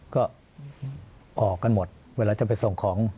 ก็ออกกันหมดเวลาจะไปส่งของ